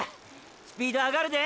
スピードあがるで！